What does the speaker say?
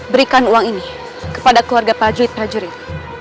berikan uang ini kepada keluarga prajurit prajurit